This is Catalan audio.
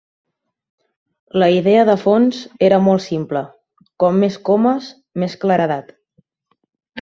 La idea de fons era molt simple: com més comes, més claredat.